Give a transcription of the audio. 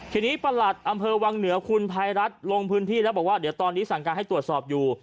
ทีนี้ประหลัดอำเภอวังเหนือคุณภัยรัฐลงพื้นที่แล้วบอกว่าเดี๋ยวตอนนี้สั่งการให้ตรวจสอบอยู่